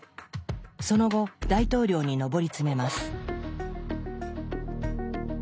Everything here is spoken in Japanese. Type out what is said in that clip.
その後大統領に上り詰めます。